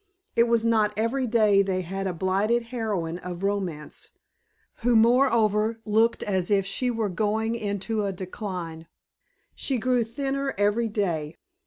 It was not every day they had a blighted heroine of romance, who, moreover, looked as if she were going into a decline. She grew thinner every day.